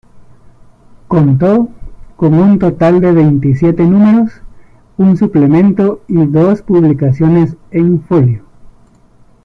Contó con un total de veintisiete números, un suplemento y dos publicaciones en folio.